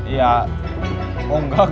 ya oh enggak